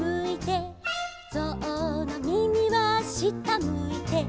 「ぞうのみみは下むいて」